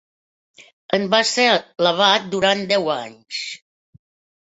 En va ésser l'abat durant deu anys.